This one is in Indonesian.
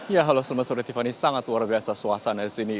ya halo selamat sore tiffany sangat luar biasa suasana di sini